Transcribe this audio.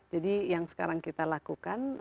jadi yang sekarang kita lakukan